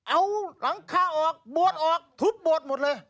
เอาหลังคาออกบวชออกทุบบวชหมดเลย